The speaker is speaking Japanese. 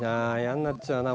嫌になっちゃうな。